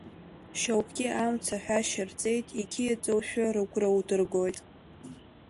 Шьоукгьы, амц аҳәашьа рҵеит, иқьиаӡоушәа ргәра удыргоит.